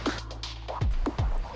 kalau begitu tuh